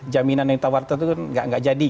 jaminan yang ditawarkan itu tidak jadi